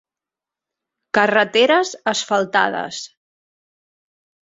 Carreteres asfaltades.